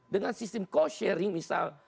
dengan sistem cost sharing misal